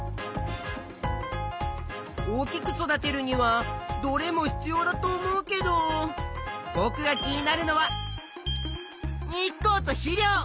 大きく育てるにはどれも必要だと思うけどぼくが気になるのは日光と肥料。